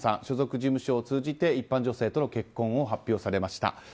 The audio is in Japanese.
所属事務所を通じて一般女性との結婚を発表されました。